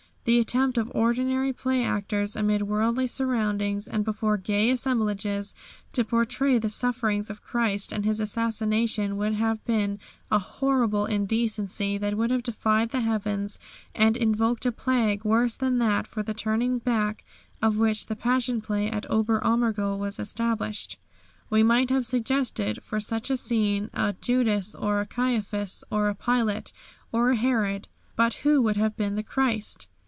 The attempt of ordinary play actors amid worldly surroundings, and before gay assemblages, to portray the sufferings of Christ and His assassination would have been a horrible indecency that would have defied the heavens and invoked a plague worse than that for the turning back of which the Passion Play at Ober Ammergau was established. We might have suggested for such a scene a Judas, or a Caiaphas, or a Pilate, or a Herod. But who would have been the Christ?